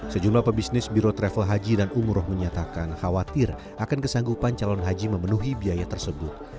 sejumlah pebisnis biro travel haji dan umroh menyatakan khawatir akan kesanggupan calon haji memenuhi biaya tersebut